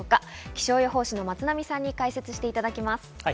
気象予報士の松並さんに解説していただきます。